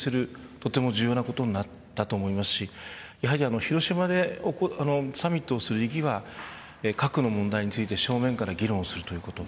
とても重要なことになったと思いますしやはり広島でサミットをする意義は核の問題について正面から議論とするということ。